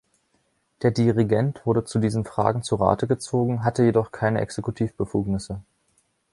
Der Dirigent wurde zu diesen Fragen zu Rate gezogen, hatte jedoch keine Exekutivbefugnisse.